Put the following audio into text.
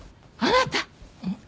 ん？